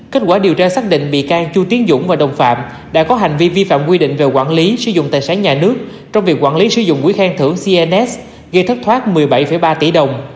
kết quả điều tra xác định bị can chu tiến dũng và đồng phạm đã có hành vi vi phạm quy định về quản lý sử dụng tài sản nhà nước trong việc quản lý sử dụng quỹ khen thưởng cns gây thất thoát một mươi bảy ba tỷ đồng